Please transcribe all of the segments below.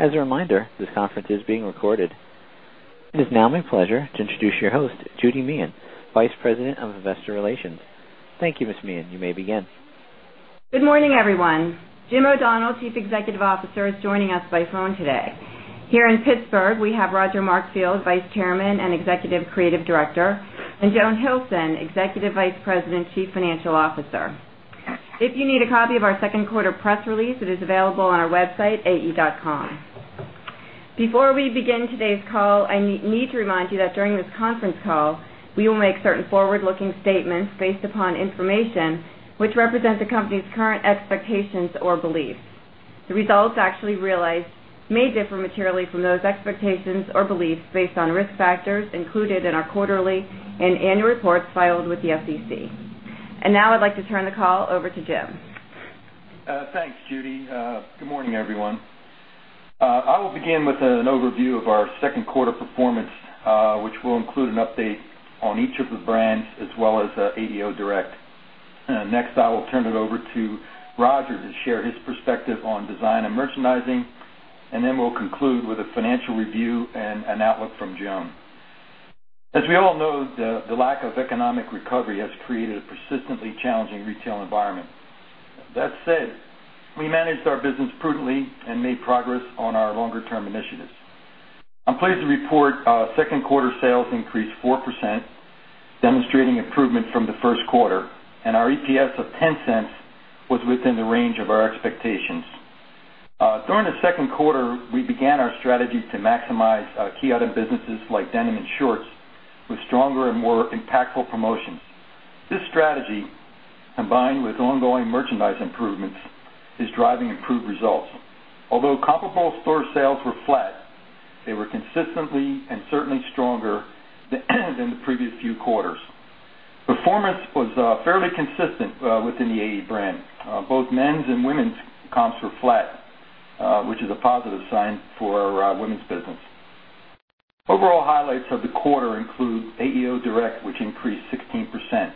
As a reminder, this conference is being recorded. It is now my pleasure to introduce your host, Judy Meehan, Vice President of Investor Relations. Thank you, Ms. Meehan. You may begin. Good morning, everyone. Jim O'Donnell, Chief Executive Officer, is joining us by phone today. Here in Pittsburgh, we have Roger Markfield, Vice Chairman and Executive Creative Director, and Joan Hilson, Executive Vice President, Chief Financial Officer. If you need a copy of our second quarter press release, it is available on our website, AE.com. Before we begin today's call, I need to remind you that during this conference call, we will make certain forward-looking statements based upon information which represents the company's current expectations or beliefs. The results actually realized may differ materially from those expectations or beliefs based on risk factors included in our quarterly and annual reports filed with the SEC. I'd like to turn the call over to Jim. Thanks, Judy. Good morning, everyone. I will begin with an overview of our second quarter performance, which will include an update on each of the brands as well as AEO Direct. Next, I will turn it over to Roger to share his perspective on design and merchandising, and then we'll conclude with a financial review and an outlook from Joan. As we all know, the lack of economic recovery has created a persistently challenging retail environment. That said, we managed our business prudently and made progress on our longer-term initiatives. I'm pleased to report our second quarter sales increased 4%, demonstrating improvement from the first quarter, and our EPS of $0.10 was within the range of our expectations. During the second quarter, we began our strategy to maximize key item businesses like denim and shorts with stronger and more impactful promotions. This strategy, combined with ongoing merchandise improvements, is driving improved results. Although comparable store sales were flat, they were consistently and certainly stronger than the previous few quarters. Performance was fairly consistent within the AE brand. Both men's and women's comps were flat, which is a positive sign for women's business. Overall highlights of the quarter include AEO Direct, which increased 16%,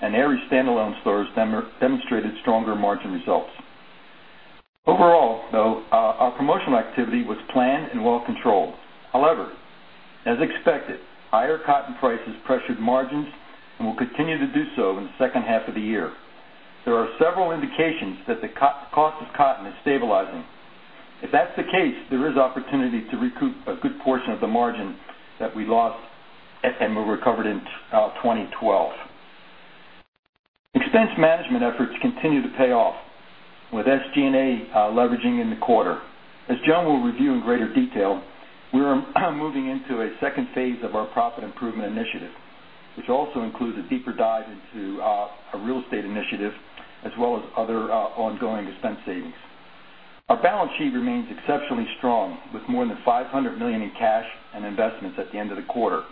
and Aerie standalone stores demonstrated stronger margin results. Overall, though, our promotional activity was planned and well controlled. However, as expected, higher cotton prices pressured margins and will continue to do so in the second half of the year. There are several indications that the cost of cotton is stabilizing. If that's the case, there is opportunity to recoup a good portion of the margin that we lost and we recovered in 2012. Expense management efforts continue to pay off with SG&A leveraging in the quarter. As Joan will review in greater detail, we're moving into a second phase of our profit improvement initiative, which also includes a deeper dive into a real estate initiative as well as other ongoing expense savings. Our balance sheet remains exceptionally strong with more than $500 million in cash and investments at the end of the quarter,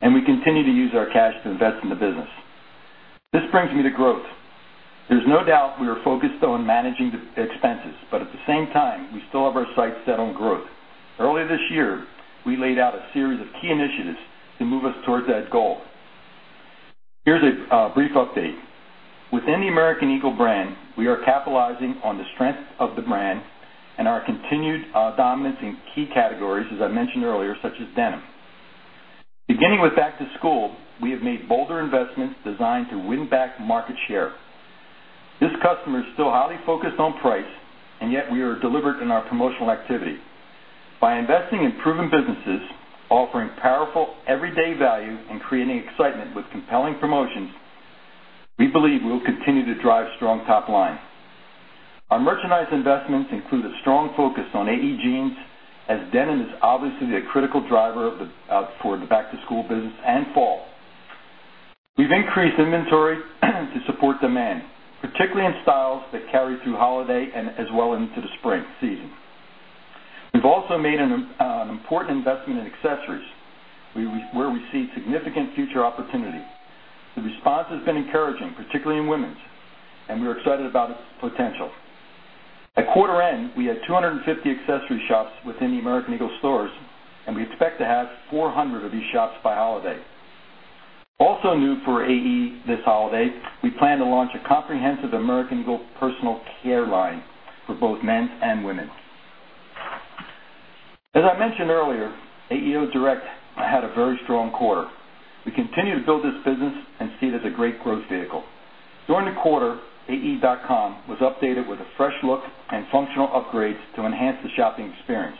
and we continue to use our cash to invest in the business. This brings me to growth. There's no doubt we are focused on managing the expenses, but at the same time, we still have our sights set on growth. Earlier this year, we laid out a series of key initiatives to move us towards that goal. Here's a brief update. Within the American Eagle brand, we are capitalizing on the strength of the brand and our continued dominance in key categories, as I mentioned earlier, such as denim. Beginning with Back to School, we have made bolder investments designed to win back market share. This customer is still highly focused on price, and yet we are deliberate in our promotional activity. By investing in proven businesses, offering powerful everyday value, and creating excitement with compelling promotions, we believe we'll continue to drive strong top line. Our merchandise investments include a strong focus on AE jeans, as denim is obviously a critical driver for the Back-to-School business and fall. We've increased inventory to support demand, particularly in styles that carry through holiday and as well into the spring season. We've also made an important investment in accessories, where we see significant future opportunity. The response has been encouraging, particularly in women's, and we are excited about its potential. At quarter end, we had 250 accessory shops within the American Eagle stores, and we expect to have 400 of these shops by holiday. Also new for AE this holiday, we plan to launch a comprehensive American Eagle personal care line for both men and women. As I mentioned earlier, AEO Direct had a very strong quarter. We continue to build this business and see it as a great growth vehicle. During the quarter, AE.com was updated with a fresh look and functional upgrades to enhance the shopping experience.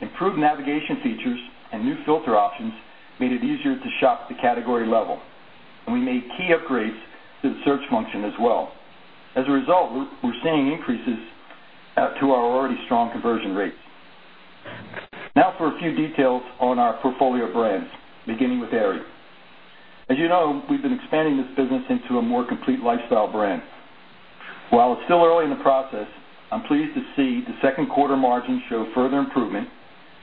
Improved navigation features and new filter options made it easier to shop at the category level, and we made key upgrades to the search function as well. As a result, we're seeing increases to our already strong conversion rates. Now for a few details on our portfolio brands, beginning with Aerie. As you know, we've been expanding this business into a more complete lifestyle brand. While it's still early in the process, I'm pleased to see the second quarter margins show further improvement.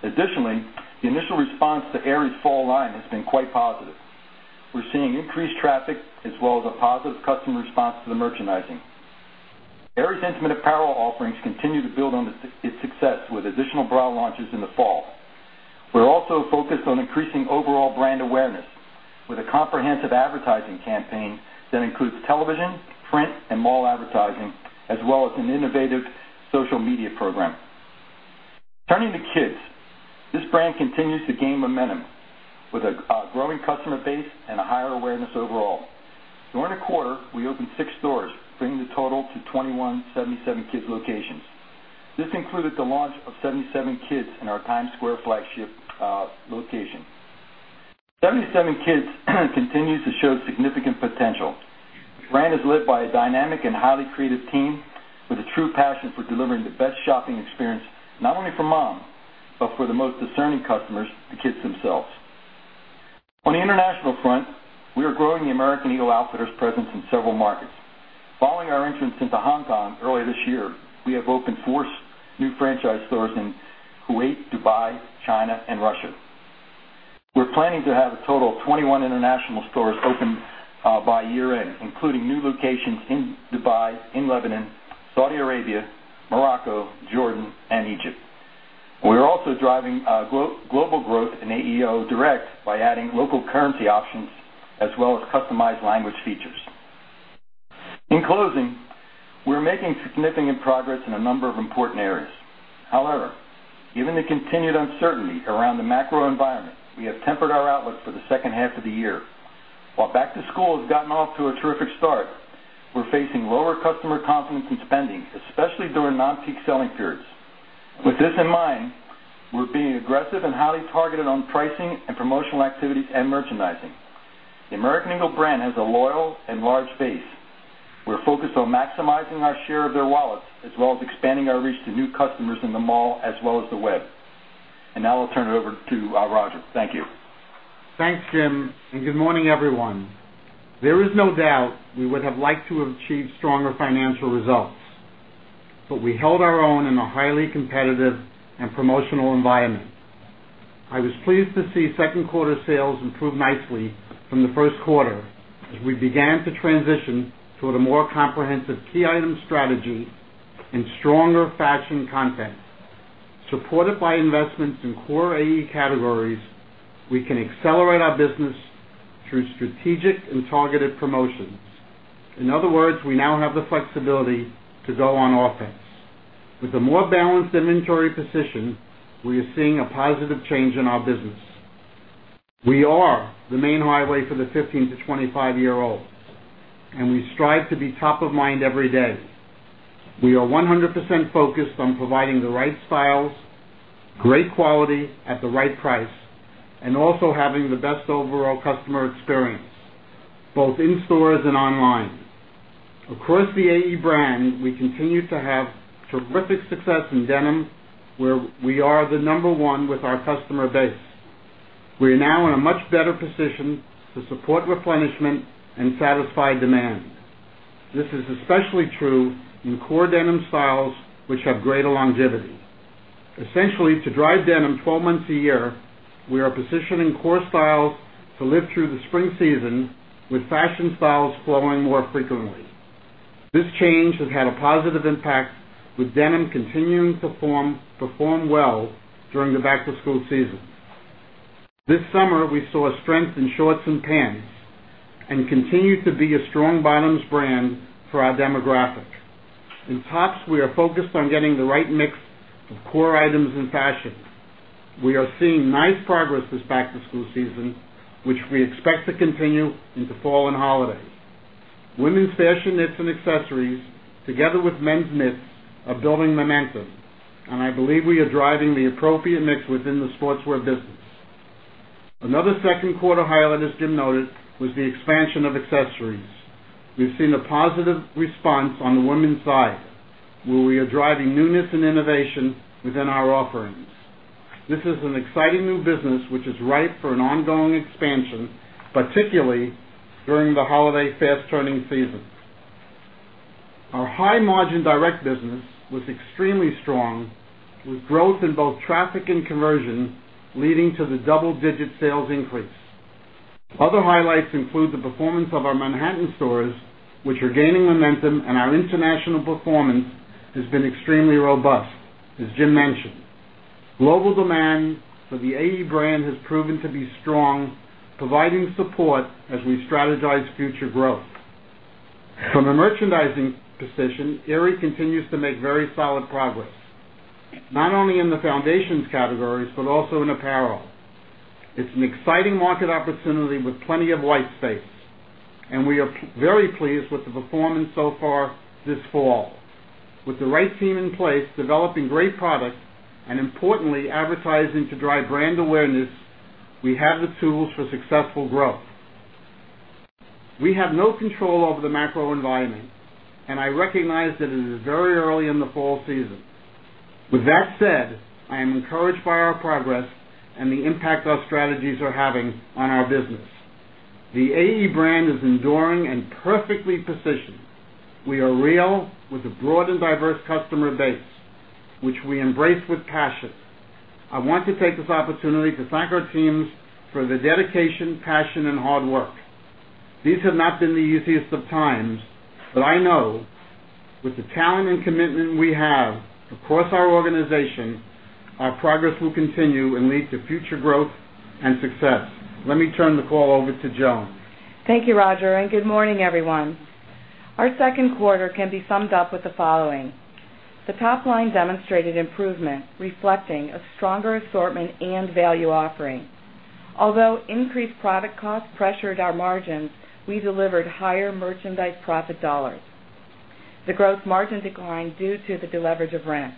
Additionally, the initial response to Aerie's fall line has been quite positive. We're seeing increased traffic as well as a positive customer response to the merchandising. Aerie's intimate apparel offerings continue to build on its success with additional bra launches in the fall. We're also focused on increasing overall brand awareness with a comprehensive advertising campaign that includes television, print, and mall advertising, as well as an innovative social media program. Turning to kids, this brand continues to gain momentum with a growing customer base and a higher awareness overall. During the quarter, we opened six stores, bringing the total to 21 77kids' locations. This included the launch of 77kids in our Times Square flagship location. 77kids continues to show significant potential. The brand is led by a dynamic and highly creative team with a true passion for delivering the best shopping experience, not only for moms, but for the most discerning customers, the kids themselves. On the international front, we are growing the American Eagle Outfitters' presence in several markets. Following our entrance into Hong Kong earlier this year, we have opened four new franchise stores in Kuwait, Dubai, China, and Russia. We're planning to have a total of 21 international stores open by year end, including new locations in Dubai, in Lebanon, Saudi Arabia, Morocco, Jordan, and Egypt. We're also driving global growth in AEO Direct by adding local currency options, as well as customized language features. In closing, we're making significant progress in a number of important areas. However, given the continued uncertainty around the macro environment, we have tempered our outlook for the second half of the year. While Back to School has gotten off to a terrific start, we're facing lower customer confidence in spending, especially during non-peak selling periods. With this in mind, we're being aggressive and highly targeted on pricing and promotional activity and merchandising. The American Eagle brand has a loyal and large base. We're focused on maximizing our share of their wallets, as well as expanding our reach to new customers in the mall, as well as the web. Now I'll turn it over to Roger. Thank you. Thanks, Jim, and good morning, everyone. There is no doubt we would have liked to have achieved stronger financial results, but we held our own in a highly competitive and promotional environment. I was pleased to see second quarter sales improve nicely from the first quarter as we began to transition toward a more comprehensive key item strategy and stronger fashion content. Supported by investments in core AE categories, we can accelerate our business through strategic and targeted promotions. In other words, we now have the flexibility to go on offense. With a more balanced inventory position, we are seeing a positive change in our business. We are the main highway for the 15 to 25-year-old, and we strive to be top of mind every day. We are 100% focused on providing the right styles, great quality at the right price, and also having the best overall customer experience, both in stores and online. Across the AE brand, we continue to have terrific success in denim where we are the number one with our customer base. We are now in a much better position to support replenishment and satisfy demand. This is especially true in core denim styles, which have greater longevity. Essentially, to drive denim 12 months a year, we are positioning core styles to live through the spring season with fashion styles flowing more frequently. This change has had a positive impact, with denim continuing to perform well during the back-to-school season. This summer, we saw a strength in shorts and pants and continue to be a strong bottoms brand for our demographic. In tops, we are focused on getting the right mix of core items and fashion. We are seeing nice progress this back-to-school season, which we expect to continue into fall and holiday. Women's fashion knits and accessories, together with men's knits, are building momentum, and I believe we are driving the appropriate mix within the sportswear business. Another second quarter highlight, as Jim noted, was the expansion of accessories. We've seen a positive response on the women's side, where we are driving newness and innovation within our offerings. This is an exciting new business, which is ripe for an ongoing expansion, particularly during the holiday fast-turning season. Our high margin direct business was extremely strong, with growth in both traffic and conversion, leading to the double-digit sales increase. Other highlights include the performance of our Manhattan stores, which are gaining momentum, and our international performance has been extremely robust, as Jim mentioned. Global demand for the AE brand has proven to be strong, providing support as we strategize future growth. From a merchandising position, Aerie continues to make very solid progress, not only in the foundations categories, but also in apparel. It's an exciting market opportunity with plenty of white space, and we are very pleased with the performance so far this fall. With the right team in place, developing great products, and importantly, advertising to drive brand awareness, we have the tools for successful growth. We have no control over the macro environment, and I recognize that it is very early in the fall season. With that said, I am encouraged by our progress and the impact our strategies are having on our business. The AE brand is enduring and perfectly positioned. We are real with a broad and diverse customer base, which we embrace with passion. I want to take this opportunity to thank our teams for their dedication, passion, and hard work. These have not been the easiest of times, but I know with the talent and commitment we have across our organization, our progress will continue and lead to future growth and success. Let me turn the call over to Joan. Thank you, Roger, and good morning, everyone. Our second quarter can be summed up with the following: the top line demonstrated improvement, reflecting a stronger assortment and value offering. Although increased product costs pressured our margins, we delivered higher merchandise profit dollars. The gross margin declined due to the deleverage of rent.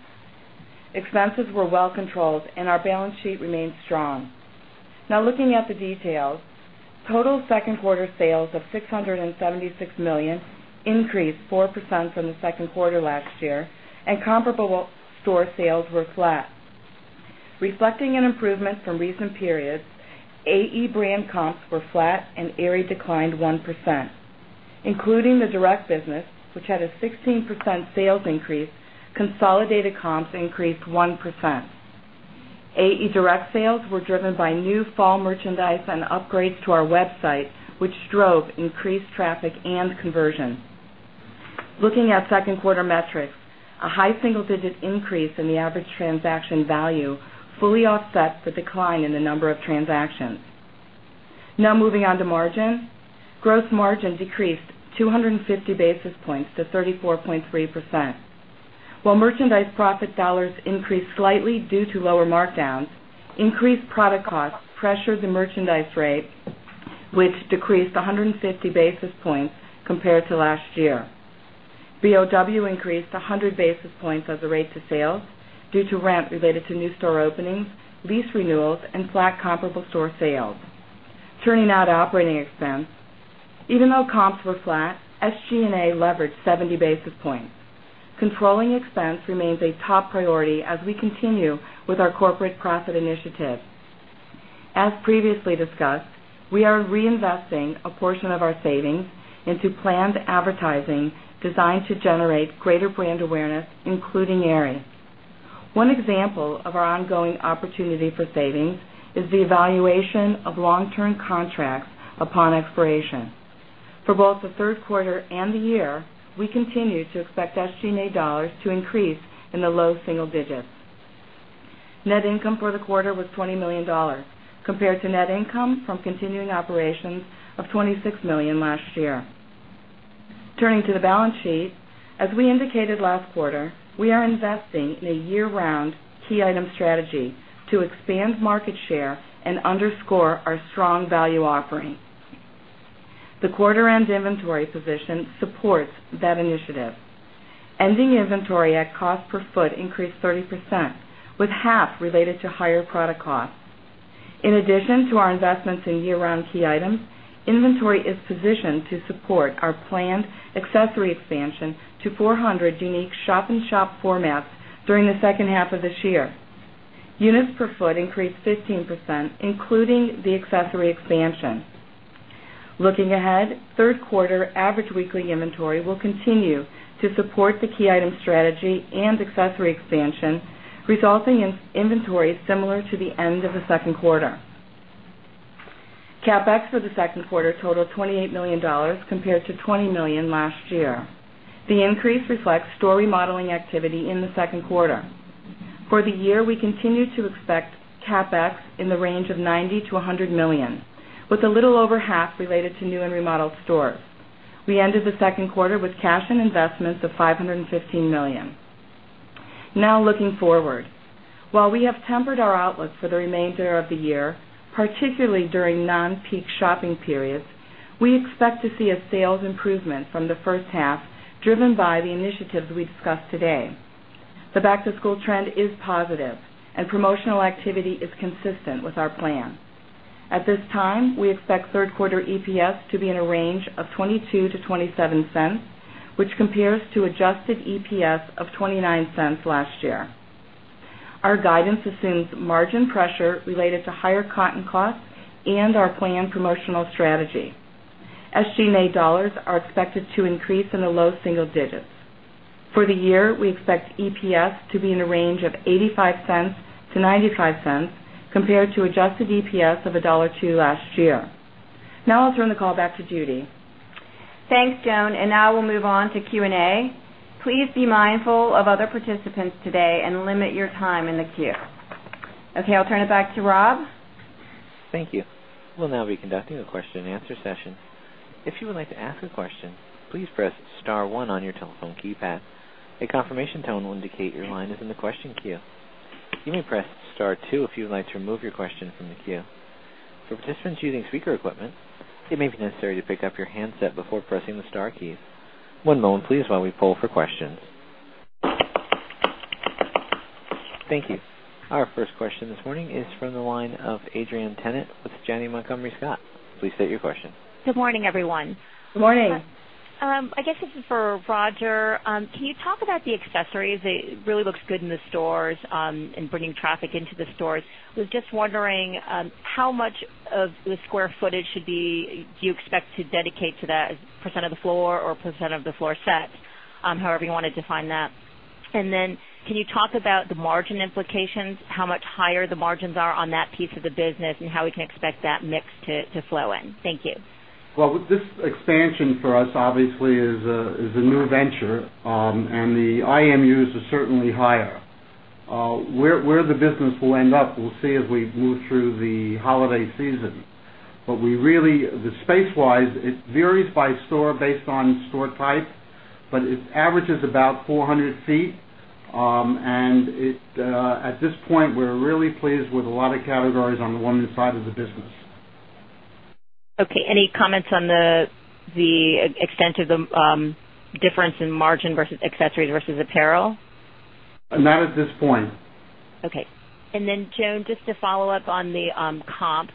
Expenses were well controlled, and our balance sheet remained strong. Now looking at the details, total second quarter sales of $676 million increased 4% from the second quarter last year, and comparable store sales were flat. Reflecting an improvement from recent periods, AE brand comps were flat, and Aerie declined 1%. Including the direct business, which had a 16% sales increase, consolidated comps increased 1%. AE direct sales were driven by new fall merchandise and upgrades to our website, which drove increased traffic and conversion. Looking at second quarter metrics, a high single-digit increase in the average transaction value fully offsets the decline in the number of transactions. Now moving on to margin, gross margin decreased 250 basis points to 34.3%. While merchandise profit dollars increased slightly due to lower markdowns, increased product costs pressured the merchandise rate, which decreased 150 basis points compared to last year. BOW increased 100 basis points as a rate to sales due to rent related to new store openings, lease renewals, and flat comparable store sales. Turning to operating expense, even though comps were flat, SG&A leveraged 70 basis points. Controlling expense remains a top priority as we continue with our corporate profit improvement initiative. As previously discussed, we are reinvesting a portion of our savings into planned advertising designed to generate greater brand awareness, including Aerie. One example of our ongoing opportunity for savings is the evaluation of long-term contracts upon expiration. For both the third quarter and the year, we continue to expect SG&A dollars to increase in the low single digits. Net income for the quarter was $20 million, compared to net income from continuing operations of $26 million last year. Turning to the balance sheet, as we indicated last quarter, we are investing in a year-round key item strategy to expand market share and underscore our strong value offering. The quarter-end inventory position supports that initiative. Ending inventory at cost per foot increased 30%, with half related to higher product costs. In addition to our investments in year-round key items, inventory is positioned to support our planned accessory expansion to 400 unique shop-in-shop formats during the second half of this year. Units per foot increased 15%, including the accessory expansion. Looking ahead, third quarter average weekly inventory will continue to support the key item strategy and accessory expansion, resulting in inventory similar to the end of the second quarter. CapEx for the second quarter totaled $28 million, compared to $20 million last year. The increase reflects store remodeling activity in the second quarter. For the year, we continue to expect CapEx in the range of $90 million-$100 million, with a little over half related to new and remodeled stores. We ended the second quarter with cash and investments of $515 million. Now looking forward, while we have tempered our outlook for the remainder of the year, particularly during non-peak shopping periods, we expect to see a sales improvement from the first half, driven by the initiatives we discussed today. The Back-to-School trend is positive, and promotional activity is consistent with our plan. At this time, we expect third quarter EPS to be in a range of $0.22-$0.27, which compares to adjusted EPS of $0.29 last year. Our guidance assumes margin pressure related to higher cotton costs and our planned promotional strategy. SG&A dollars are expected to increase in the low single digits. For the year, we expect EPS to be in the range of $0.85-$0.95, compared to adjusted EPS of $1.02 last year. Now I'll turn the call back to Judy. Thanks, Joan, and now we'll move on to Q&A. Please be mindful of other participants today and limit your time in the queue. Okay, I'll turn it back to Rob. Thank you. We'll now be conducting a question-and-answer session. If you would like to ask a question, please press star one on your telephone keypad. A confirmation tone will indicate your line is in the question queue. You may press star two if you would like to remove your question from the queue. For participants using speaker equipment, it may be necessary to pick up your handset before pressing the star key. One moment, please, while we poll for questions. Thank you. Our first question this morning is from the line of Adrienne Tennant of Janney Montgomery Scott. Please state your question. Good morning, everyone. Morning. I guess for Roger, can you talk about the accessories? It really looks good in the stores and bringing traffic into the stores. I was just wondering how much of the square footage do you expect to dedicate to that as a percent of the floor or a percent of the floor set, however you want to define that? Can you talk about the margin implications, how much higher the margins are on that piece of the business and how we can expect that mix to flow in? Thank you. This expansion for us obviously is a new venture, and the IMUs are certainly higher. Where the business will end up, we'll see as we move through the holiday season. The space-wise, it varies by store based on store type, but its average is about 400 ft. At this point, we're really pleased with a lot of categories on the women's side of the business. Okay. Any comments on the extent of the difference in margin versus accessories versus apparel? Not at this point. Okay. Joan, just to follow up on the comp,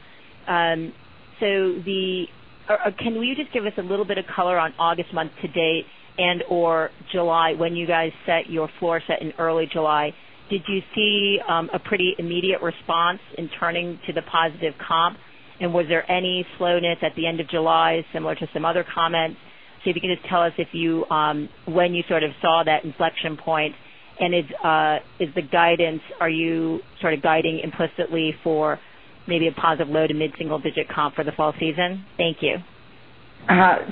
can you give us a little bit of color on August month to date and/or July when you guys set your floor set in early July? Did you see a pretty immediate response in turning to the positive comp? Was there any slowness at the end of July similar to some other comment? If you can just tell us when you sort of saw that inflection point and is the guidance, are you sort of guiding implicitly for maybe a positive low and mid-single-digit comp for the fall season? Thank you.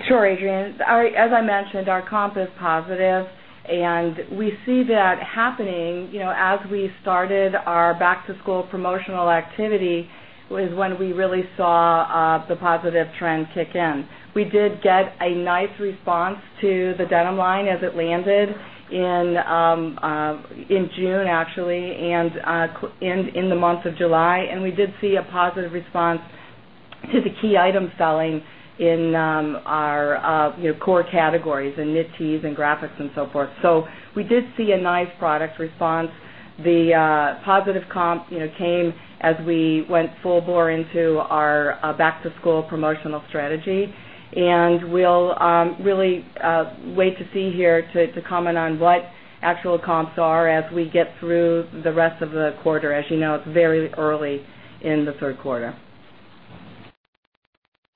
Sure, Adrienne. As I mentioned, our comp is positive, and we see that happening. As we started our Back-to-School promotional activity was when we really saw the positive trend kick in. We did get a nice response to the denim line as it landed in June, actually, and in the month of July. We did see a positive response to the key item selling in our core categories and knit tees and graphics and so forth. We did see a nice product response. The positive comp came as we went full bore into our Back-to-School promotional strategy. We'll really wait to see here to comment on what actual comps are as we get through the rest of the quarter. As you know, it's very early in the third quarter.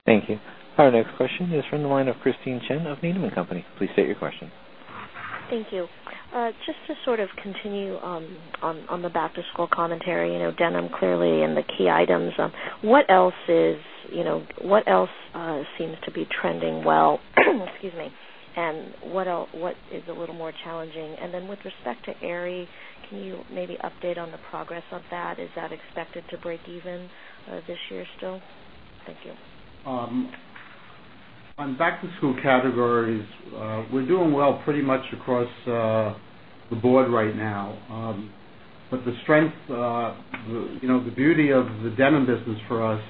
Thank you. Our next question is from the line of Christine Chen of Needham & Company. Please state your question. Thank you. Just to sort of continue on the Back-to-School commentary, you know, denim clearly and the key items. What else is, you know, what else seems to be trending well? Excuse me. What is a little more challenging? With respect to Aerie, can you maybe update on the progress of that? Is that expected to break even this year still? Thank you. On back-to-school categories, we're doing well pretty much across the board right now. The strength, you know, the beauty of the denim business for us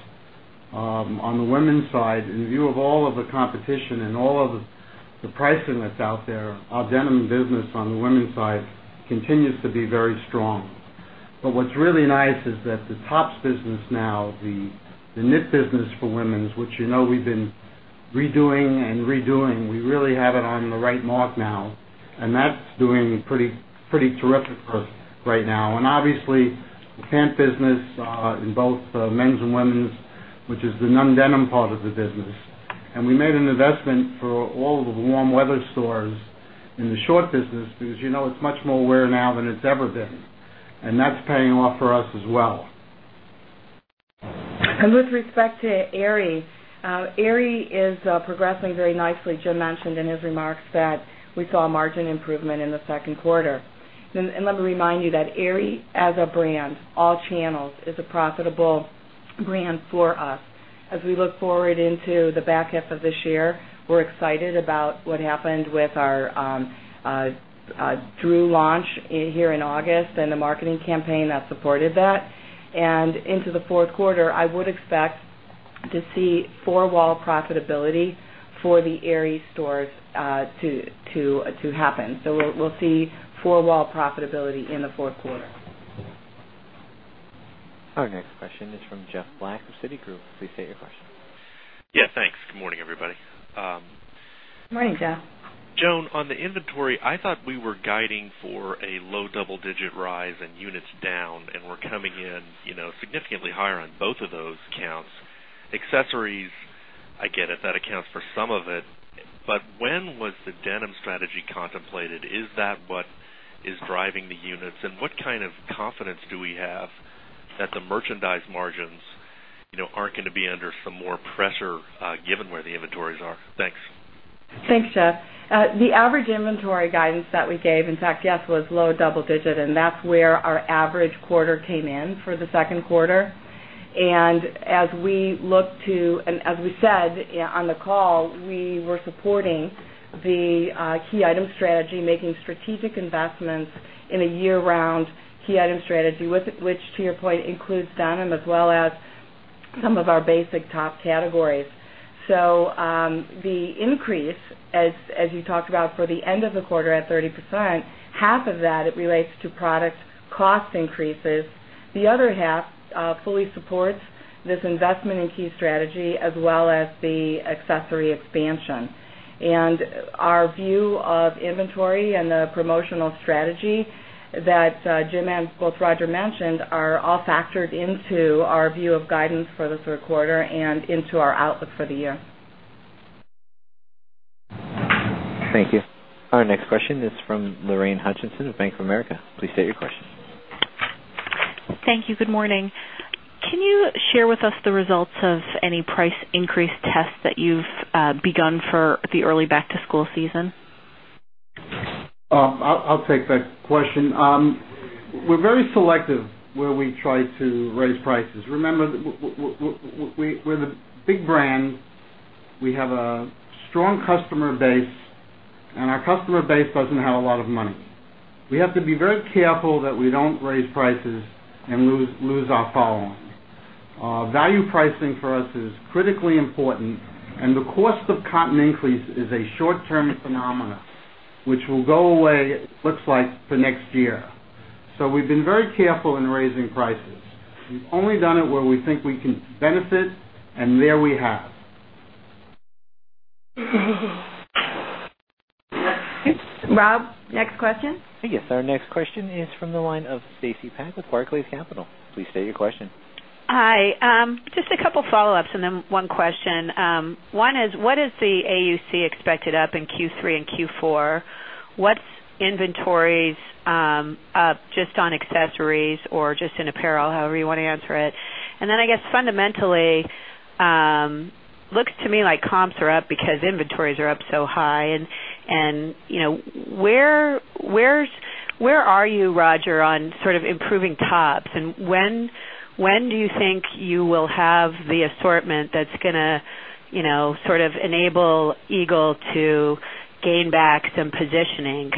on the women's side, in view of all of the competition and all of the pricing that's out there, our denim business on the women's side continues to be very strong. What's really nice is that the tops business now, the knit business for women's, which you know we've been redoing and redoing, we really have it on the right mark now. That's doing pretty, pretty terrific for us right now. Obviously, the pant business in both men's and women's, which is the non-denim part of the business. We made an investment for all of the warm weather stores in the short business because you know it's much more wear now than it's ever been. That's paying off for us as well. With respect to Aerie, Aerie is progressing very nicely. Jim mentioned in his remarks that we saw a margin improvement in the second quarter. Let me remind you that Aerie, as a brand, all channels, is a profitable brand for us. As we look forward into the back half of this year, we're excited about what happened with our Drew launch here in August and the marketing campaign that supported that. Into the fourth quarter, I would expect to see four-wall profitability for the Aerie stores to happen. We'll see four-wall profitability in the fourth quarter. Our next question is from Jeff Black of Citigroup. Please state your question. Yeah, thanks. Good morning, everybody. Morning, Jeff. Joan, on the inventory, I thought we were guiding for a low double-digit rise and units down, and we're coming in significantly higher on both of those accounts. Accessories, I get it, that accounts for some of it. When was the denim strategy contemplated? Is that what is driving the units? What kind of confidence do we have that the merchandise margins aren't going to be under some more pressure given where the inventories are? Thanks. Thanks, Jeff. The average inventory guidance that we gave, in fact, yes, was low double-digit, and that's where our average quarter came in for the second quarter. As we looked to, and as we said on the call, we were supporting the key item strategy, making strategic investments in a year-round key item strategy, which to your point includes denim as well as some of our basic top categories. The increase, as you talked about for the end of the quarter at 30%, half of that relates to product cost increases. The other half fully supports this investment in key strategy as well as the accessory expansion. Our view of inventory and the promotional strategy that Jim and both Roger mentioned are all factored into our view of guidance for the third quarter and into our outlook for the year. Thank you. Our next question is from Lorraine Hutchinson of Bank of America. Please state your question. Thank you. Good morning. Can you share with us the results of any price increase tests that you've begun for the early back-to-school season? I'll take that question. We're very selective where we try to raise prices. Remember, we're the big brand. We have a strong customer base, and our customer base doesn't have a lot of money. We have to be very careful that we don't raise prices and lose our following. Value pricing for us is critically important, and the cost of cotton increase is a short-term phenomenon, which will go away, it looks like, for next year. We have been very careful in raising prices. We've only done it where we think we can benefit, and there we have. Oops. Rob, next question? Yes, our next question is from the line of Stacy Pak of Barclays. Please state your question. Hi. Just a couple follow-ups and then one question. One is, what is the AUC expected up in Q3 and Q4? What's inventories just on accessories or just in apparel, however you want to answer it? I guess fundamentally, it looks to me like comps are up because inventories are up so high. Where are you, Roger, on sort of improving tops? When do you think you will have the assortment that's going to sort of enable Eagle to gain back some positioning?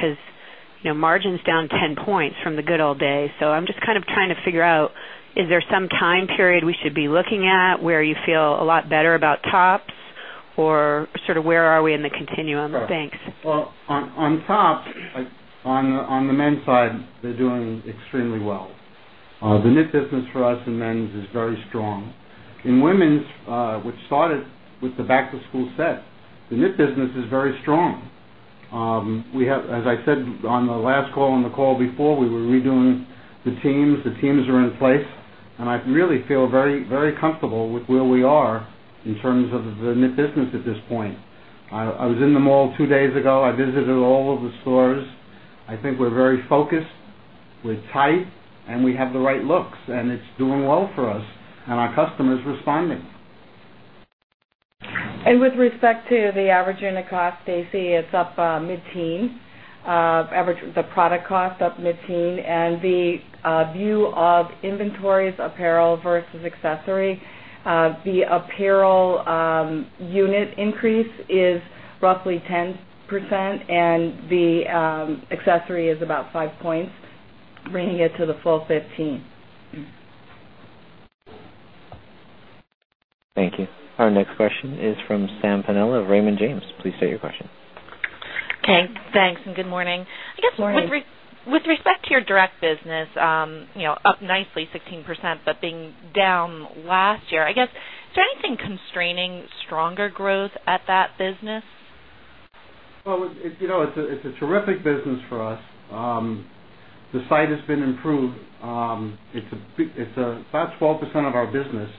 Margin's down 10 points from the good old days. I'm just kind of trying to figure out, is there some time period we should be looking at where you feel a lot better about tops or sort of where are we in the continuum? Thanks. On tops, on the men's side, they're doing extremely well. The knit business for us in men's is very strong. In women's, which started with the Back to School set, the knit business is very strong. As I said on the last call and the call before, we were redoing the teams. The teams are in place. I really feel very, very comfortable with where we are in terms of the knit business at this point. I was in the mall two days ago. I visited all of the stores. I think we're very focused. We're tight, and we have the right looks, and it's doing well for us, and our customer's responding. With respect to the average unit cost, Stacy, it's up mid-teen. The product cost is up mid-teen. The view of inventories, apparel versus accessory, the apparel unit increase is roughly 10%, and the accessory is about 5 points, bringing it to the full 15%. Thank you. Our next question is from Sam Panella of Raymond James. Please state your question. Okay. Thanks, and good morning. I guess with respect to your direct business, you know, up nicely 16%, but being down last year, is there anything constraining stronger growth at that business? It's a terrific business for us. The site has been improved. It's about 12% of our business,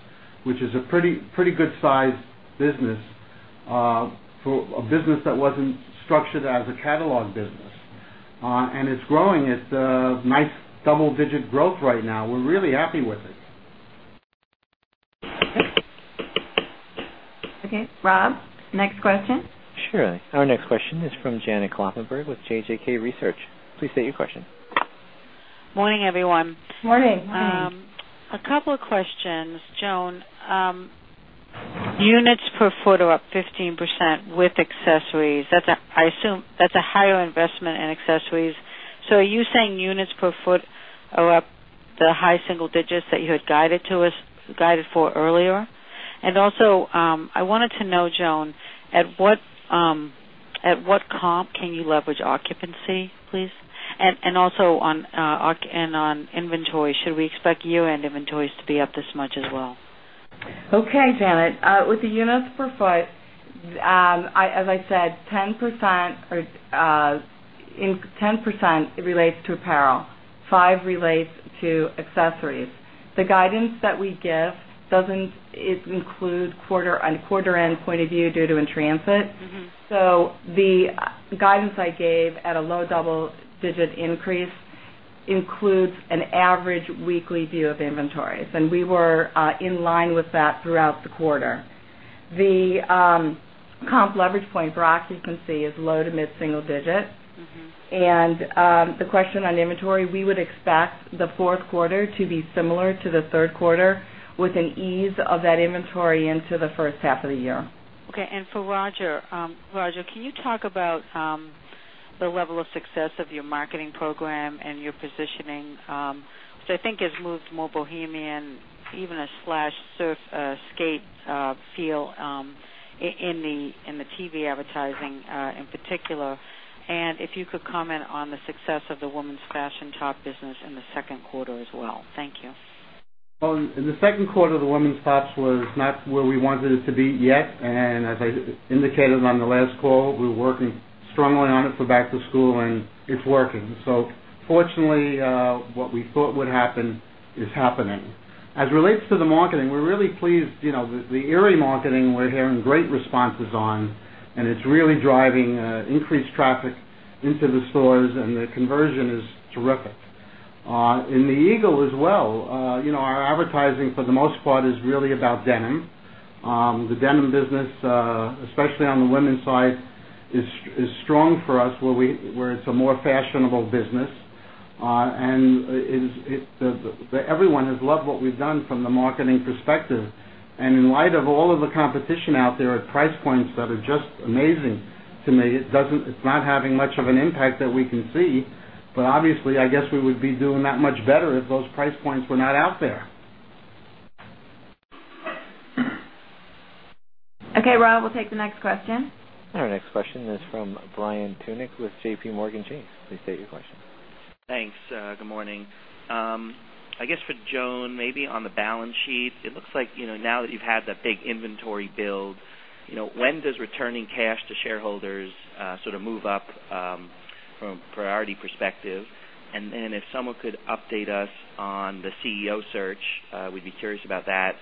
which is a pretty good size business for a business that wasn't structured as a catalog business. It's growing at nice double-digit growth right now. We're really happy with it. Okay. Rob, next question? Sure. Our next question is from Janet Kloppenburg with JJK Research. Please state your question. Morning, everyone. Morning. A couple of questions, Joan. Units per foot are up 15% with accessories. I assume that's a higher investment in accessories. Are you saying units per foot are up the high-single digits that you had guided for earlier? I wanted to know, Joan, at what comp can you leverage occupancy, please? Also, on inventory, should we expect year-end inventories to be up this much as well? Okay, Janet. With the units per foot, as I said, 10% relates to apparel. 5% relates to accessories. The guidance that we give doesn't include a quarter-end point of view due to in-transit. The guidance I gave at a low double-digit increase includes an average weekly view of inventories, and we were in line with that throughout the quarter. The comp leverage point for occupancy is low to mid-single digit. The question on inventory, we would expect the fourth quarter to be similar to the third quarter with an ease of that inventory into the first half of the year. Okay. For Roger, can you talk about the level of success of your marketing program and your positioning, which I think has moved more bohemian, even a slash surf skate feel in the TV advertising in particular? If you could comment on the success of the women's fashion top business in the second quarter as well. Thank you. In the second quarter, the women's tops was not where we wanted it to be yet. As I indicated on the last call, we're working strongly on it for Back to School, and it's working. Fortunately, what we thought would happen is happening. As it relates to the marketing, we're really pleased. You know, the Aerie marketing, we're hearing great responses on, and it's really driving increased traffic into the stores, and the conversion is terrific. In the Eagle as well, you know, our advertising for the most part is really about denim. The denim business, especially on the women's side, is strong for us where it's a more fashionable business. Everyone has loved what we've done from the marketing perspective. In light of all of the competition out there at price points that are just amazing, to me, it's not having much of an impact that we can see. Obviously, I guess we would be doing that much better if those price points were not out there. Okay, Rob, we'll take the next question. Our next question is from Brian Tunick with JPMorgan Chase. Please state your question. Thanks. Good morning. I guess for Joan, maybe on the balance sheet, it looks like, you know, now that you've had that big inventory build, you know, when does returning cash to shareholders sort of move up from a priority perspective? If someone could update us on the CEO search, we'd be curious about that.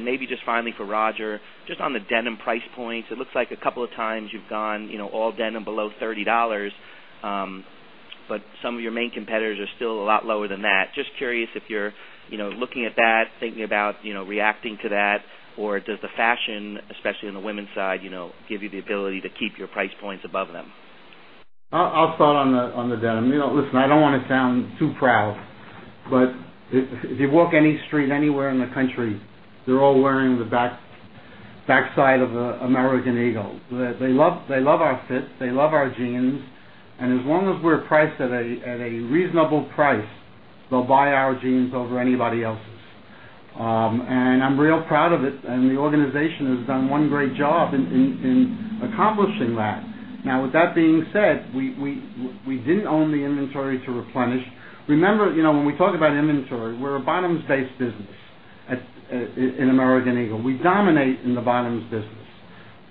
Maybe just finally for Roger, just on the denim price points, it looks like a couple of times you've gone, you know, all denim below $30. Some of your main competitors are still a lot lower than that. Just curious if you're, you know, looking at that, thinking about, you know, reacting to that, or does the fashion, especially on the women's side, you know, give you the ability to keep your price points above them? I'll start on the denim. You know, listen, I don't want to sound too proud, but if you walk any street anywhere in the country, they're all wearing the backside of an American Eagle. They love our fit. They love our jeans. As long as we're priced at a reasonable price, they'll buy our jeans over anybody else's. I'm real proud of it. The organization has done one great job in accomplishing that. With that being said, we didn't own the inventory to replenish. Remember, when we talk about inventory, we're a bottoms-based business in American Eagle. We dominate in the bottoms business.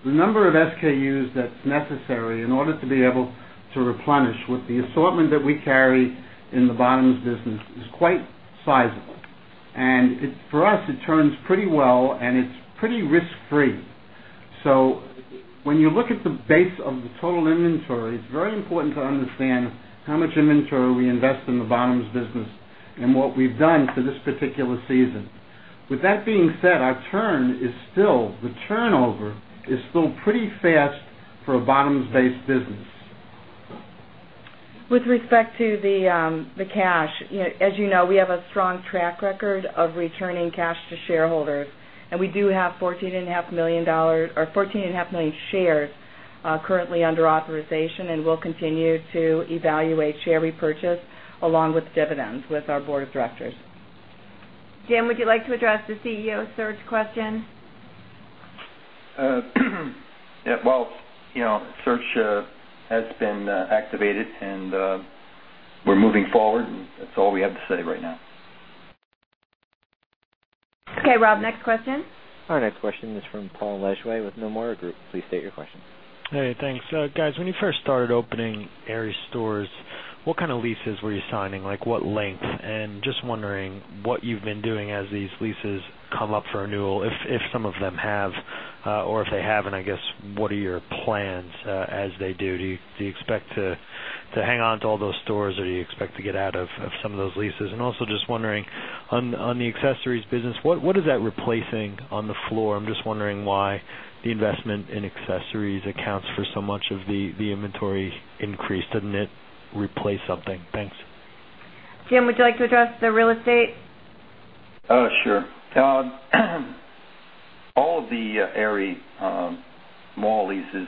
The number of SKUs that's necessary in order to be able to replenish with the assortment that we carry in the bottoms business is quite sizable. For us, it turns pretty well, and it's pretty risk-free. When you look at the base of the total inventory, it's very important to understand how much inventory we invest in the bottoms business and what we've done for this particular season. With that being said, our turn is still, the turnover is still pretty fast for a bottoms-based business. With respect to the cash, as you know, we have a strong track record of returning cash to shareholders. We do have $14.5 million or 14.5 million shares currently under authorization, and we'll continue to evaluate share repurchase along with dividends with our board of directors. Jim, would you like to address the CEO search question? Yeah, search has been activated, and we're moving forward. That's all we have to say right now. Okay, Rob, next question. Our next question is from Paul Lejuez with Nomura Group. Please state your question. Hey, thanks. Guys, when you first started opening Aerie stores, what kind of leases were you signing? Like what length? I'm just wondering what you've been doing as these leases come up for renewal, if some of them have, or if they haven't, I guess, what are your plans as they do? Do you expect to hang on to all those stores, or do you expect to get out of some of those leases? Also, just wondering, on the accessories business, what is that replacing on the floor? I'm just wondering why the investment in accessories accounts for so much of the inventory increase. Doesn't it replace something? Thanks. Jim, would you like to address the real estate? Oh, sure. All of the Aerie mall leases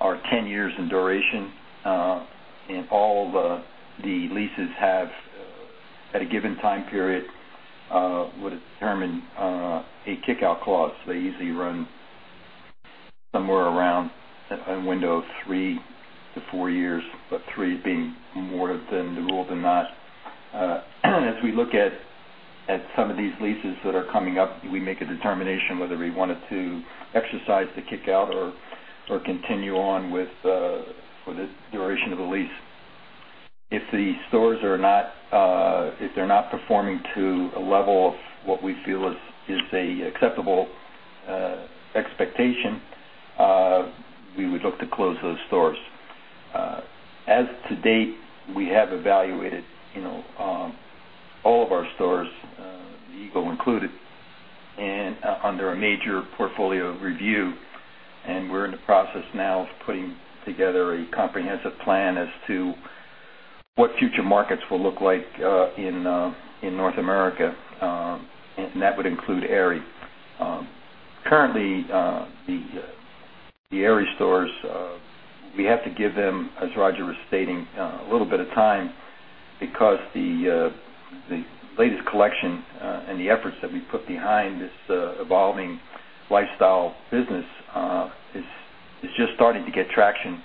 are 10 years in duration, and all of the leases have at a given time period what is termed a kickout clause. They usually run somewhere around a window of three to four years, with three being more than doable than not. As we look at some of these leases that are coming up, we make a determination whether we want to exercise the kickout or continue on for the duration of the lease. If the stores are not performing to a level of what we feel is an acceptable expectation, we would look to close those stores. To date, we have evaluated all of our stores, American Eagle included, under a major portfolio review. We are in the process now of putting together a comprehensive plan as to what future markets will look like in North America, and that would include Aerie. Currently, the Aerie stores, we have to give them, as Roger was stating, a little bit of time because the latest collection and the efforts that we put behind this evolving lifestyle business are just starting to get traction.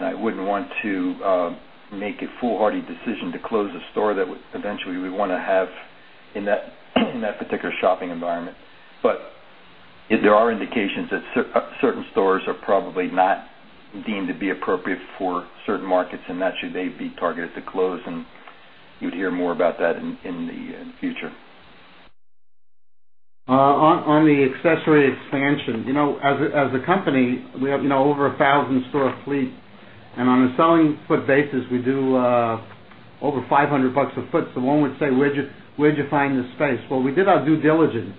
I wouldn't want to make a foolhardy decision to close a store that eventually we want to have in that particular shopping environment. There are indications that certain stores are probably not deemed to be appropriate for certain markets, and that they should be targeted to close. You would hear more about that in the future. On the accessory expansion, as a company, we have over 1,000-store fleet. On a selling foot basis, we do over $500 a foot. One would say, where'd you find the space? We did our due diligence,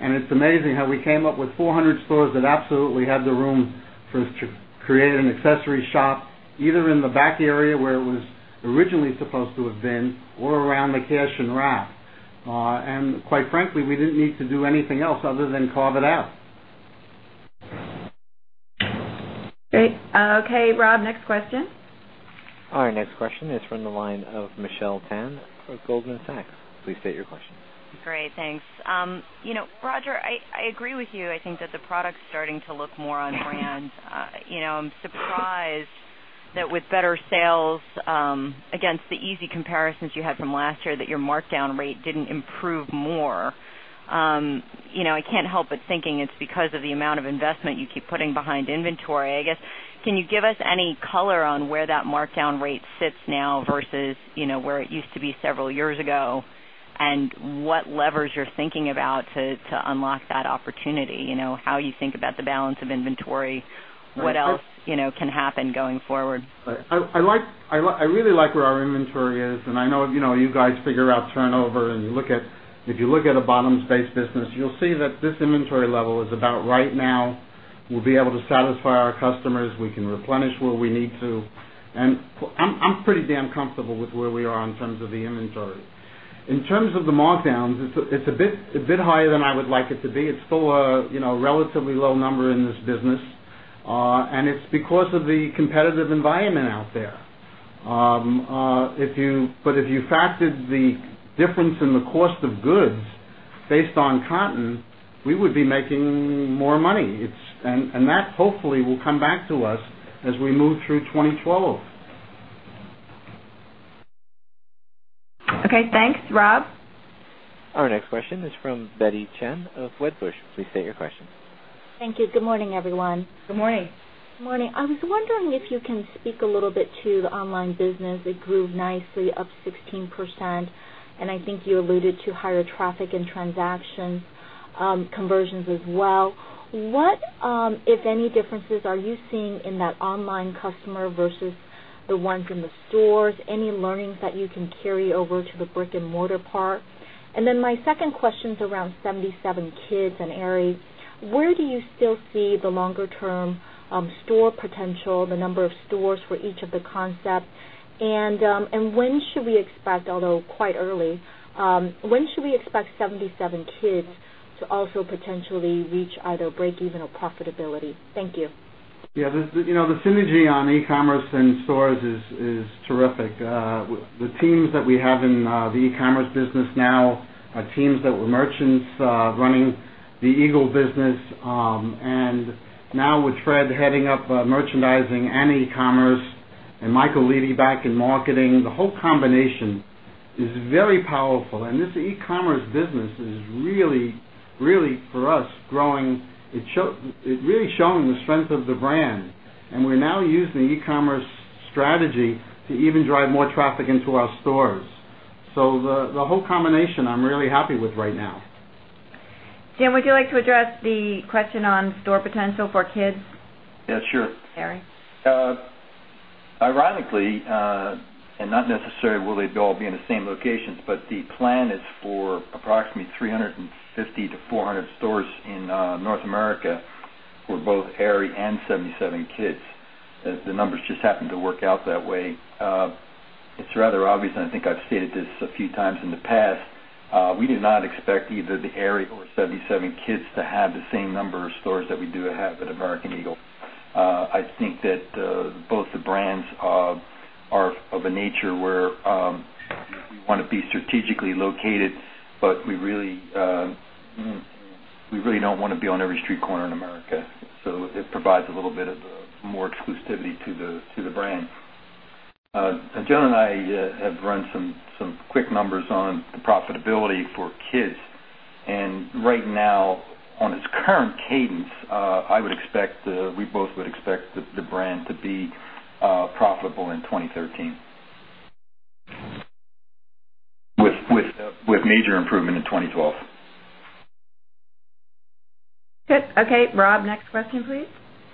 and it's amazing how we came up with 400 stores that absolutely had the room for us to create an accessory shop either in the back area where it was originally supposed to have been or around the cash and route. Quite frankly, we didn't need to do anything else other than carve it out. Okay, Rob, next question. Our next question is from the line of Michelle Tan from Goldman Sachs. Please state your question. Great, thanks. You know, Roger, I agree with you. I think that the product's starting to look more on brand. I'm surprised that with better sales against the easy comparisons you had from last year, that your markdown rate didn't improve more. I can't help but thinking it's because of the amount of investment you keep putting behind inventory. I guess, can you give us any color on where that markdown rate sits now versus where it used to be several years ago and what levers you're thinking about to unlock that opportunity? You know, how you think about the balance of inventory, what else can happen going forward? I really like where our inventory is, and I know you guys figure out turnover and look at, if you look at a bottoms-based business, you'll see that this inventory level is about right now. We'll be able to satisfy our customers. We can replenish where we need to. I'm pretty damn comfortable with where we are in terms of the inventory. In terms of the markdowns, it's a bit higher than I would like it to be. It's still a relatively low number in this business. It's because of the competitive environment out there. If you factored the difference in the cost of goods based on cotton, we would be making more money. That hopefully will come back to us as we move through 2012. Okay, thanks, Rob. Our next question is from Betty Chen of Wedbush. Please state your question. Thank you. Good morning, everyone. Good morning. Morning. I was wondering if you can speak a little bit to the online business. It grew nicely, up 16%. I think you alluded to higher traffic and transaction conversions as well. What, if any, differences are you seeing in that online customer versus the one from the stores? Any learnings that you can carry over to the brick-and-mortar part? My second question is around 77kids and Aerie. Where do you still see the longer-term store potential, the number of stores for each of the concepts? When should we expect, although quite early, when should we expect 77kids to also potentially reach either break-even or profitability? Thank you. Yeah, you know, the synergy on e-commerce and stores is terrific. The teams that we have in the e-commerce business now are teams that were merchants running the Eagle business. Now with Fred heading up merchandising and e-commerce and Michael Leedy back in marketing, the whole combination is very powerful. This e-commerce business is really, really, for us, growing. It's really showing the strength of the brand. We're now using the e-commerce strategy to even drive more traffic into our stores. The whole combination, I'm really happy with right now. Jim, would you like to address the question on store potential for kids? Yeah, sure. Aerie? Ironically, and not necessarily will they all be in the same locations, but the plan is for approximately 350-400 stores in North America for both Aerie and 77kids. The numbers just happen to work out that way. It's rather obvious, and I think I've stated this a few times in the past. We do not expect either the Aerie or 77kids to have the same number of stores that we do have at American Eagle. I think that both the brands are of a nature where we want to be strategically located, but we really don't want to be on every street corner in America. It provides a little bit of more exclusivity to the brand. Joan and I have run some quick numbers on the profitability for kids. Right now, on its current cadence, I would expect we both would expect the brand to be profitable in 2013, with major improvement in 2012. Good. Okay, Rob, next question, please.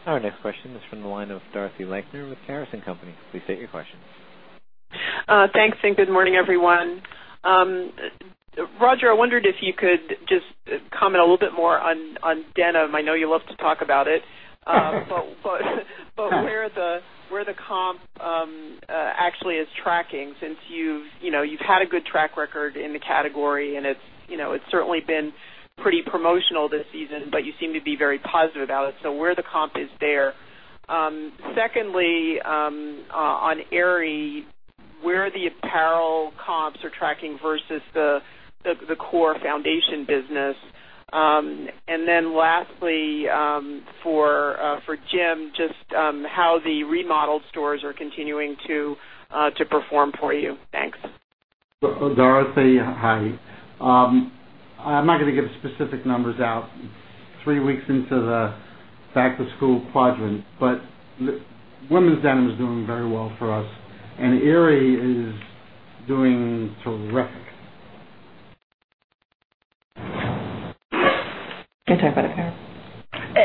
Our next question is from the line of Dorothy Lakner with Caris & Company. Please state your question. Thanks, and good morning, everyone. Roger, I wondered if you could just comment a little bit more on denim. I know you love to talk about it. Where the comp actually is tracking since you've had a good track record in the category, and it's certainly been pretty promotional this season, but you seem to be very positive about it. Where the comp is there. Secondly, on Aerie, where the apparel comps are tracking versus the core foundation business. Lastly, for Jim, just how the remodeled stores are continuing to perform for you. Thanks. Dorothy, hi. I'm not going to give specific numbers out three weeks into the Back to School quadrant, but women's denim is doing very well for us. And Aerie is doing terrific. Can you talk about apparel?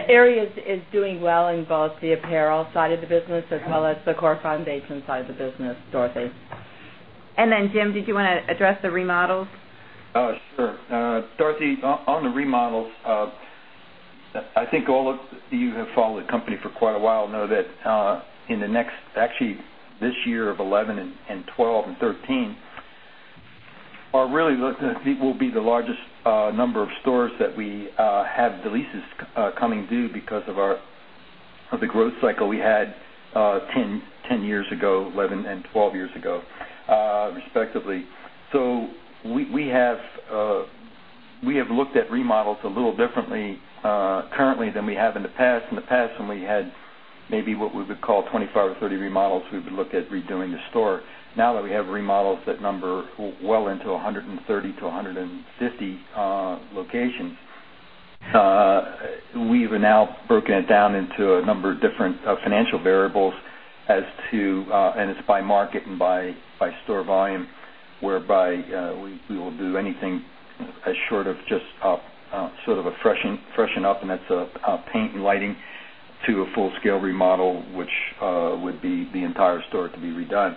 Aerie is doing well in both the apparel side of the business, as well as the core foundation side of the business, Dorothy. Jim, did you want to address the remodels? Oh, sure. Dorothy, on the remodels, I think all of you who have followed the company for quite a while know that in the next, actually, this year of 2011 and 2012 and 2013 will be the largest number of stores that we had the leases coming due because of the growth cycle we had 10 years ago, 11 and 12 years ago, respectively. We have looked at remodels a little differently currently than we have in the past. In the past, when we had maybe what we would call 25 or 30 remodels, we would look at redoing the store. Now that we have remodels, that number is well into 130-150 locations. We've now broken it down into a number of different financial variables as to, and it's by market and by store volume, whereby we will do anything as short of just sort of a freshening up, and that's a paint and lighting to a full-scale remodel, which would be the entire store to be redone.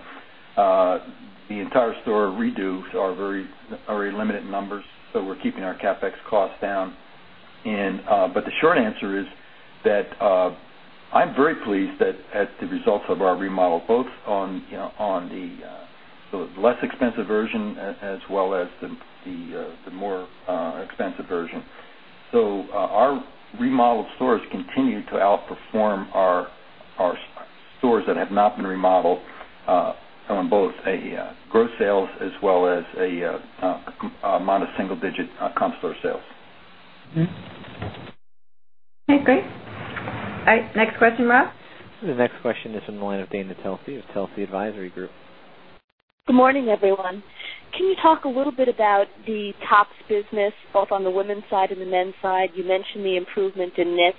The entire store redos are very, very limited numbers, so we're keeping our CapEx costs down. The short answer is that I'm very pleased with the results of our remodel, both on the less expensive version as well as the more expensive version. Our remodeled stores continue to outperform our stores that have not been remodeled on both a gross sales as well as a modest single-digit comp store sales. Okay, great. All right, next question, Rob. The next question is from the line of Dana Telsey of Telsey Advisory Group. Good morning, everyone. Can you talk a little bit about the tops business, both on the women's side and the men's side? You mentioned the improvement in knits.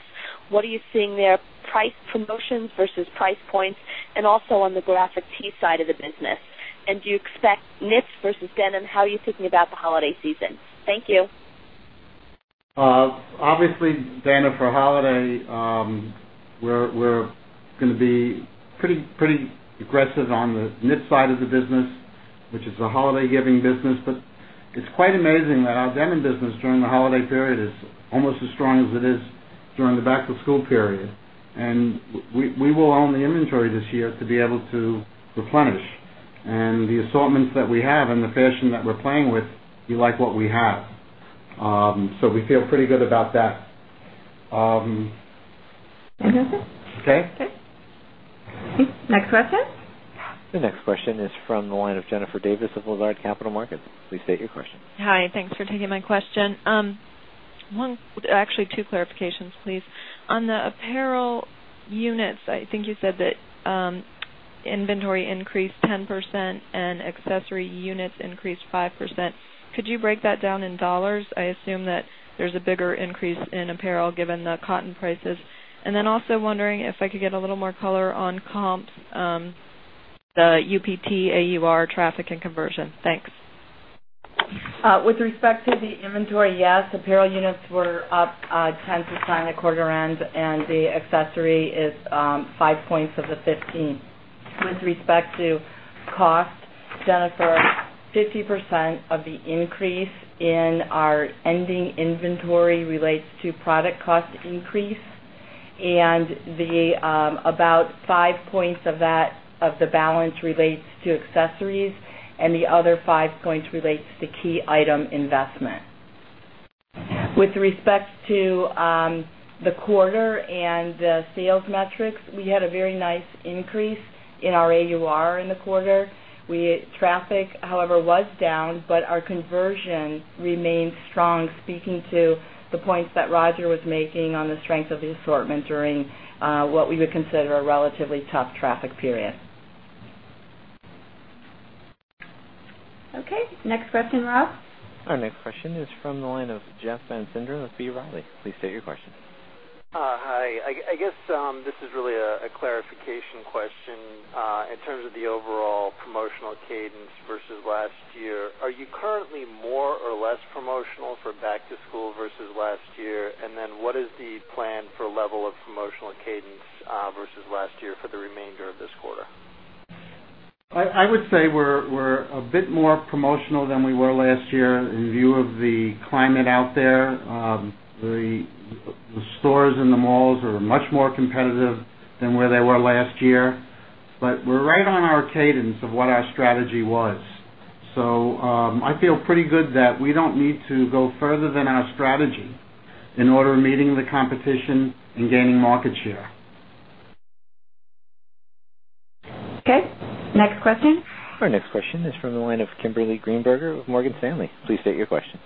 What are you seeing there, price promotions versus price points, and also on the graphic tee side of the business? Do you expect knits versus denim? How are you thinking about the holiday season? Thank you. Obviously, Dana, for holiday, we're going to be pretty, pretty aggressive on the knit side of the business, which is a holiday giving business. It is quite amazing that our denim business during the holiday period is almost as strong as it is during the back-to-school period. We will own the inventory this year to be able to replenish, and the assortments that we have and the fashion that we're playing with, you like what we have. We feel pretty good about that. Thank you, Jason. Okay. Okay, next question. The next question is from the line of Jennifer Davis of Lazard Capital Markets. Please state your question. Hi. Thanks for taking my question. Actually, two clarifications, please. On the apparel units, I think you said that inventory increased 10% and accessory units increased 5%. Could you break that down in dollars? I assume that there's a bigger increase in apparel given the cotton prices. Also, wondering if I could get a little more color on comps, the UPT, AUR, traffic, and conversion. Thanks. With respect to the inventory, yes, apparel units were up 10% at quarter end, and the accessory is 5 points of the 15%. With respect to cost, Jennifer, 50% of the increase in our ending inventory relates to product cost increase. About 5 points of that of the balance relates to accessories, and the other 5 points relates to key item investment. With respect to the quarter and the sales metrics, we had a very nice increase in our AUR in the quarter. Traffic, however, was down, but our conversion remained strong, speaking to the points that Roger was making on the strength of the assortment during what we would consider a relatively tough traffic period. Okay. Next question, Rob. Our next question is from the line of Jeff Van Sinderen of B. Riley. Please state your question. Hi. I guess this is really a clarification question. In terms of the overall promotional cadence versus last year, are you currently more or less promotional for Back to School versus last year? What is the plan for level of promotional cadence versus last year for the remainder of this quarter? I would say we're a bit more promotional than we were last year in view of the climate out there. The stores and the malls are much more competitive than where they were last year. We're right on our cadence of what our strategy was. I feel pretty good that we don't need to go further than our strategy in order of meeting the competition and gaining market share. Okay, next question. Our next question is from the line of Kimberly Greenberger of Morgan Stanley. Please state your question.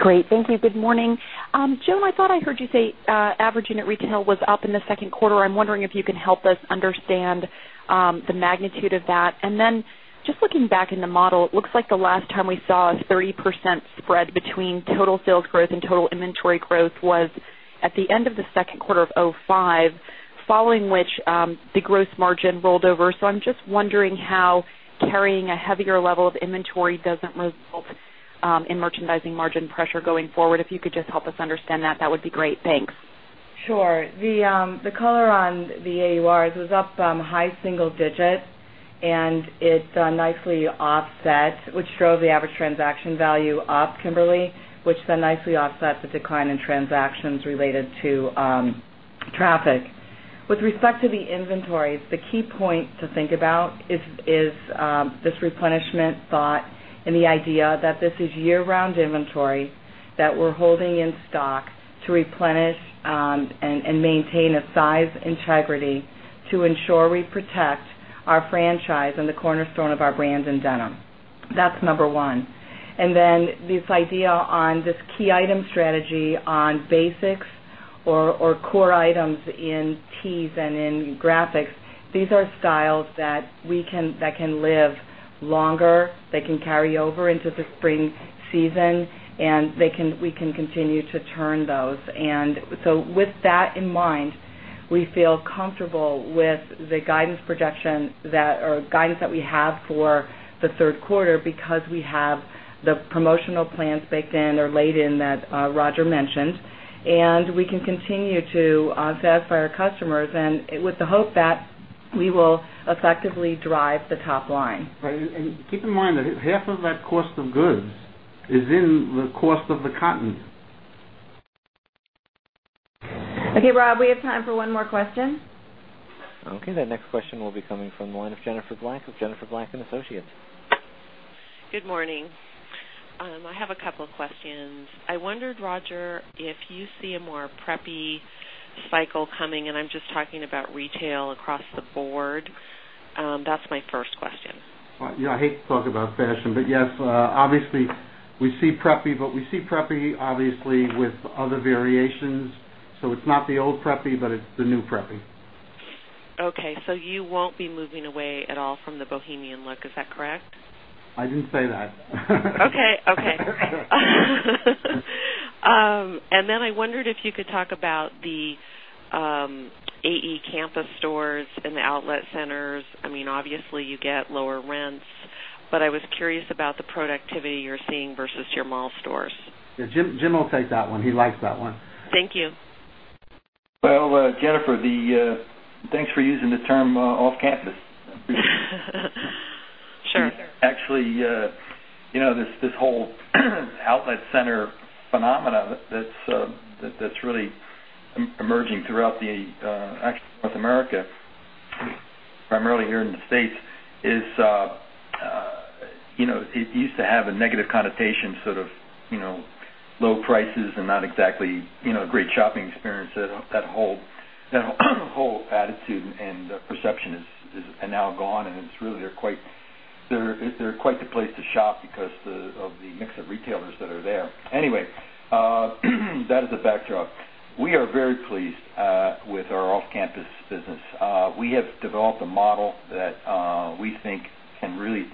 Great. Thank you. Good morning. Joan, I thought I heard you say average unit retail was up in the second quarter. I'm wondering if you can help us understand the magnitude of that. Just looking back in the model, it looks like the last time we saw a 30% spread between total sales growth and total inventory growth was at the end of the second quarter of 2005, following which the gross margin rolled over. I'm just wondering how carrying a heavier level of inventory doesn't result in merchandising margin pressure going forward. If you could just help us understand that, that would be great. Thanks. Sure. The color on the AURs was up high single digits, and it nicely offset, which drove the average transaction value up, Kimberly, which then nicely offset the decline in transactions related to traffic. With respect to the inventories, the key point to think about is this replenishment thought and the idea that this is year-round inventory that we're holding in stock to replenish and maintain a size integrity to ensure we protect our franchise and the cornerstone of our brand in denim. That's number one. This idea on this key item strategy on basics or core items in tees and in graphics, these are styles that can live longer. They can carry over into the spring season, and we can continue to turn those. With that in mind, we feel comfortable with the guidance projection or guidance that we have for the third quarter because we have the promotional plans baked in or laid in that Roger mentioned. We can continue to offset for our customers and with the hope that we will effectively drive the top line. Keep in mind that half of that cost of goods is in the cost of the cotton. Okay, Rob, we have time for one more question. Okay, the next question will be coming from the line of Jennifer Black of Jennifer Black and Associates. Good morning. I have a couple of questions. I wondered, Roger, if you see a more preppy cycle coming, and I'm just talking about retail across the board. That's my first question. Yes, obviously, we see preppy, but we see preppy, obviously, with other variations. It's not the old preppy, but it's the new preppy. Okay, so you won't be moving away at all from the bohemian look. Is that correct? I didn't say that. Okay. I wondered if you could talk about the AE campus stores and the outlet centers. Obviously, you get lower rents, but I was curious about the productivity you're seeing versus your mall stores. Yeah, Jim will take that one. He likes that one. Thank you. Jennifer, thanks for using the term off-campus. Sure. Actually, you know, this whole outlet-center phenomena that's really emerging throughout North America, primarily here in the States, used to have a negative connotation, sort of, you know, low prices and not exactly a great shopping experience. That whole attitude and perception is now gone, and they're quite the place to shop because of the mix of retailers that are there. Anyway, that is the backdrop. We are very pleased with our off-campus business. We have developed a model that we think can really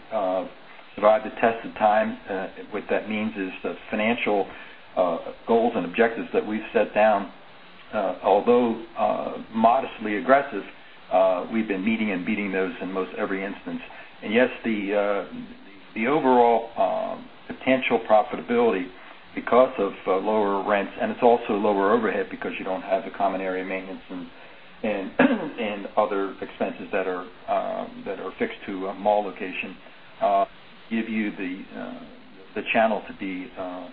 survive the test of time. What that means is the financial goals and objectives that we've set down, although modestly aggressive, we've been meeting and beating those in most every instance. Yes, the overall potential profitability because of lower rents, and it's also a lower overhead because you don't have a common area maintenance and other expenses that are fixed to a mall location, give you the channel to be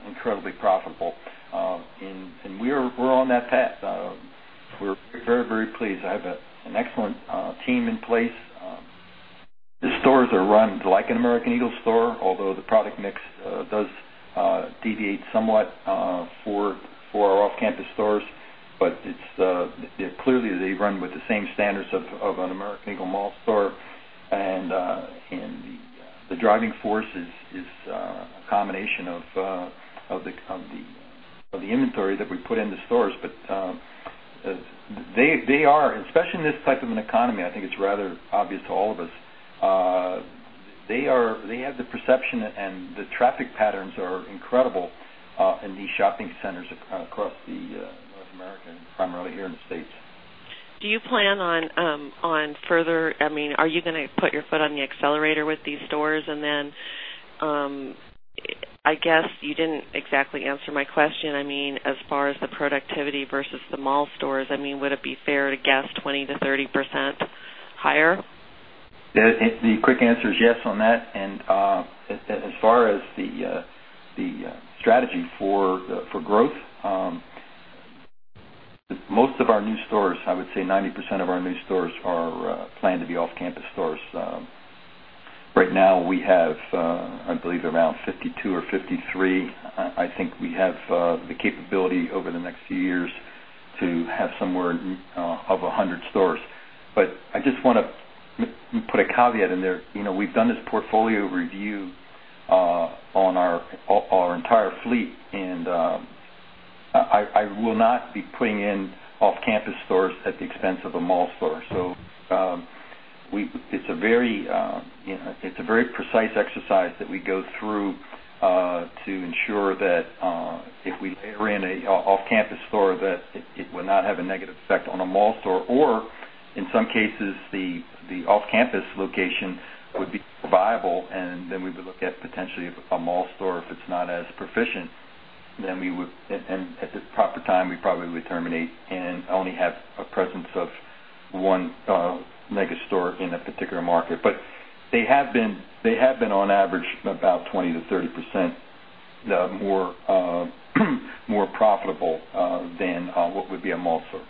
incredibly profitable. We're on that path. We're very, very pleased. I have an excellent team in place. The stores are run like an American Eagle store, although the product mix does deviate somewhat for our off-campus stores. Clearly, they run with the same standards of an American Eagle mall store. The driving force is a combination of the inventory that we put in the stores. Especially in this type of an economy, I think it's rather obvious to all of us. They have the perception and the traffic patterns are incredible in these shopping centers across North America, primarily here in the States. Do you plan on further, I mean, are you going to put your foot on the accelerator with these stores? I guess you didn't exactly answer my question. As far as the productivity versus the mall stores, would it be fair to guess 20%-30% higher? The quick answer is yes on that. As far as the strategy for growth, most of our new stores, I would say 90% of our new stores are planned to be off-campus stores. Right now, we have, I believe, around 52 or 53. I think we have the capability over the next few years to have somewhere of 100 stores. I just want to put a caveat in there. You know, we've done this portfolio review on our entire fleet, and I will not be putting in off-campus stores at the expense of a mall store. It is a very precise exercise that we go through to ensure that if we layer in an off-campus store, it will not have a negative effect on a mall store. In some cases, the off-campus location would be viable, and then we would look at potentially a mall store. If it's not as proficient, then we would, and at the proper time, we probably would terminate and only have a presence of one mega store in a particular market. They have been, on average, about 20%-30% more profitable than what would be a mall store.